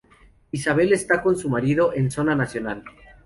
Isabel está con su marido en zona nacional.